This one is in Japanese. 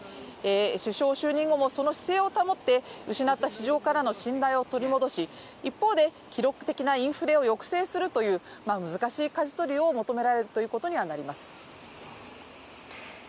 首相就任後もその姿勢を保って失った市場からの信頼を取り戻し一方で記録的なインフレを抑制するという難しいかじ取りを求められるということにはなります。